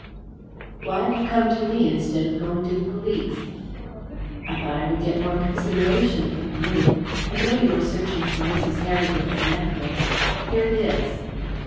"Why have you come to me instead of going to the police?" "I thought I would get more consideration from you. I know you are searching for Mrs. Heredith's necklace. Here it is."